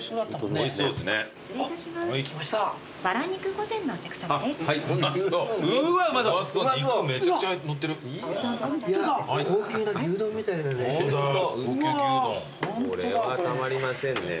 これはたまりませんね。